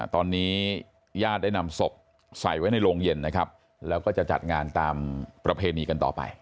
ตอนนี้ญาติได้นำศพใส่ไว้ในโรงเย็นนะครับแล้วก็จะจัดงานตามประเพณีกันต่อไป